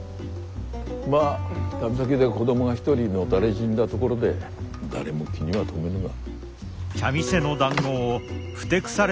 まあ旅先で子供が一人のたれ死んだところで誰も気には留めぬが。